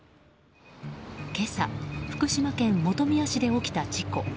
今朝福島県本宮市で起きた事故。